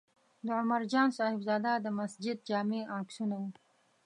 د عمر جان صاحبزاده د مسجد جامع عکسونه و.